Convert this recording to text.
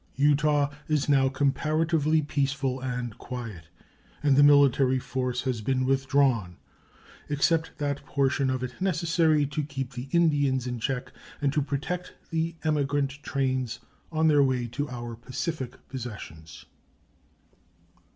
Utah is now comparatively peaceful and quiet, and the military force has been withdrawn, except that portion of it necessary to keep the Indians in check and to protect the emigrant trains on their way to our Pacific possessions.